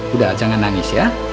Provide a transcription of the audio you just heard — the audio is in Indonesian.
udah jangan nangis ya